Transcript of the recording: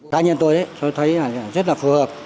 tại nhiên tôi thấy rất là phù hợp